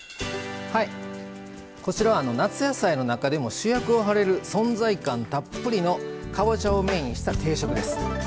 こちらは夏野菜の中でも主役を張れる存在感たっぷりのかぼちゃをメインにした定食です。